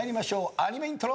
アニメイントロ。